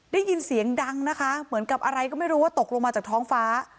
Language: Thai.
ได้ยินเสียงดังนะคะเหมือนกับอะไรก็ไม่รู้ว่าตกลงมาจากท้องฟ้า